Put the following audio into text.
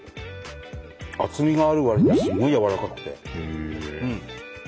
厚みがあるわりにはすごいやわらかくて。